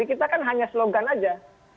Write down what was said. kita kan hanya slogan saja